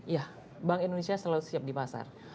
ya bank indonesia selalu siap di pasar